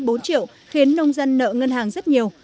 ba đến bốn triệu khiến nông dân nợ ngân hàng rất nhiều